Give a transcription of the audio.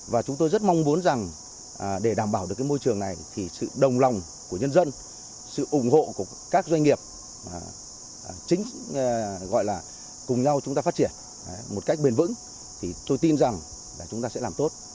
và chúng tôi rất mong muốn rằng để đảm bảo được cái môi trường này chúng ta sẽ làm tốt công tác phòng ngừa